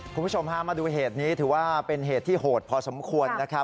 คุณผู้ชมพามาดูเหตุนี้ถือว่าเป็นเหตุที่โหดพอสมควรนะครับ